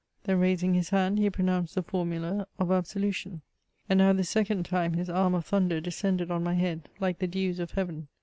Then, raising his hand, he pro nounced the formula of absolution. And now this second time his arm of thunder descended on my head like the dews of heaven.